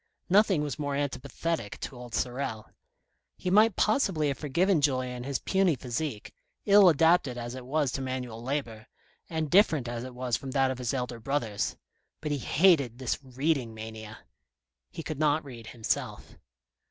Nothing was more anti pathetic to old Sorel. He might possibly have forgiven Julien his puny physique, ill adapted as it was to manual labour, and different as it was from that of his elder brothers; but he hated this reading mania. He could not read himself.